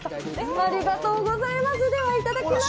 ありがとうございます。